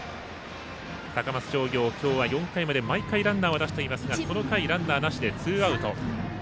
高松商業、今日は４回まで毎回ランナー出していますがこの回ランナーなしでツーアウト。